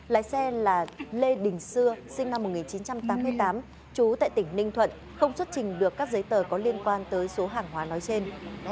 lái xe là lê đình xưa sinh năm một nghìn chín trăm tám mươi tám trú tại tỉnh ninh thuận không xuất trình được các giấy tờ có liên quan tới số hàng hóa nói trên